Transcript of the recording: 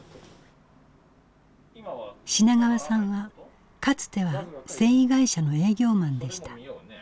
品川さんはかつては繊維会社の営業マンでした。